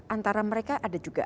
antara mereka ada juga